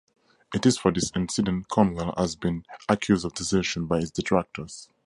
It is for this incident Conwell has been accused of desertion by his detractors.